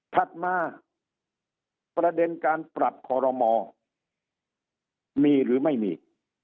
ถัดมาประเด็นการปรับคอรมอมีหรือไม่มี